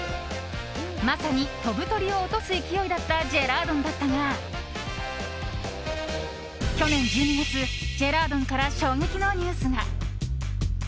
まさに飛ぶ鳥を落とす勢いだったジェラードンだったが去年１２月、ジェラードンから衝撃のニュースが。